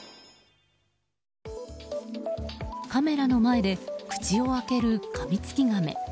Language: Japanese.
カメラの前で口を開けるカミツキガメ。